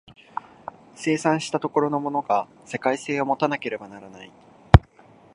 生産した所のものが世界性を有たなければならない。